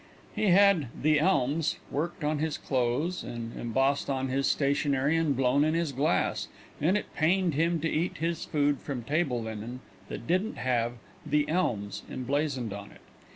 He had "The Elms" worked on his clothes, and embossed on his stationery and blown in his glass, and it pained him to eat his food from table linen that didn't have "The Elms" emblazoned on it.